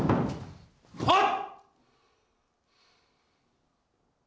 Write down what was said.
はっ！